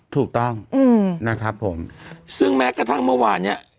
ถูกต้องนะครับผมซึ่งแม้กระทั่งเมื่อวานเนี้ย